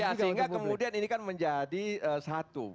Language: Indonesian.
sehingga kemudian ini kan menjadi satu